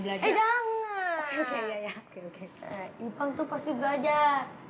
belajar ya ya oke oke itu pasti belajar